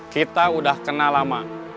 kita udah kena lama